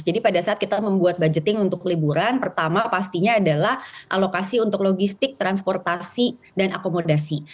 jadi pada saat kita membuat budgeting untuk liburan pertama pastinya adalah alokasi untuk logistik transportasi dan akomodasi